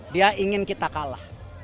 dia ingin kita kalah